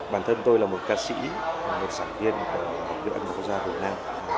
bản thân tôi là một ca sĩ một sản viên một người âm nhạc của quốc gia việt nam